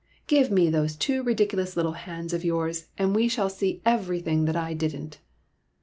Give me those two ridiculous little hands of yours, and you shall see everything that I did n't."